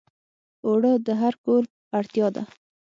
اوړه د هر کور اړتیا ده